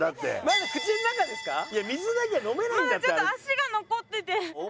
まだちょっと脚が残ってて。